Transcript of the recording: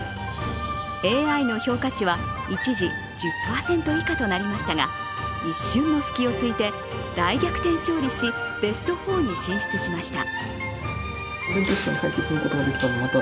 ＡＩの評価値は一時１０％以下となりましたが一瞬の隙を突いて大逆転勝利し、ベスト４に進出しました。